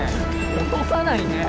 落とさないね。